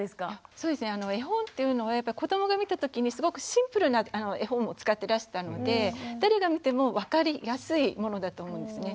そうですね絵本っていうのは子どもが見た時にすごくシンプルな絵本を使ってらしたので誰が見ても分かりやすいものだと思うんですね。